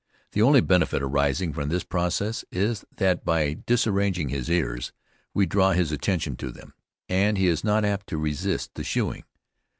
The only benefit arising from this process is, that by disarranging his ears we draw his attention to them, and he is not so apt to resist the shoeing.